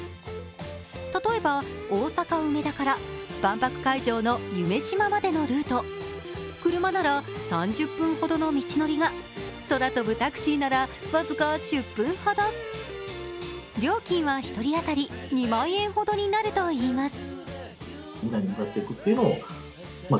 例えば、大阪・梅田から万博会場の夢洲までのルート車なら３０分ほどの道のりが空飛ぶタクシーなら、僅か１０分ほど料金は１人当たり２万円ほどになるといいます。